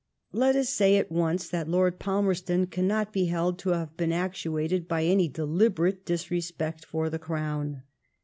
Let us say at once that Lord Palmerston cannot be held to have been actuated by any deliberate disrespect for the Crown.